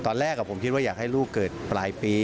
ตอนแรกผมคิดว่าอยากให้ลูกเกิดปลายปี